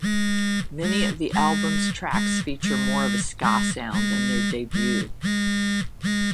Many of the album's tracks feature more of a ska sound than their debut.